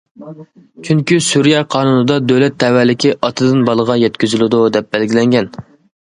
چۈنكى سۈرىيە قانۇندا دۆلەت تەۋەلىكى ئاتىدىن بالىغا يەتكۈزۈلىدۇ، دەپ بەلگىلەنگەن.